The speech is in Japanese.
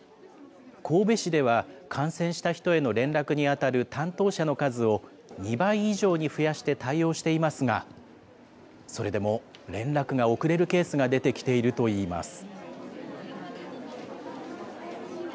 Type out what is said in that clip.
神戸市では、感染した人への連絡に当たる担当者の数を２倍以上に増やして対応していますが、それでも連絡が遅れるケースが出てきているといいます。